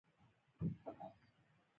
زه وايم ژړک دي وي زمرک دي وي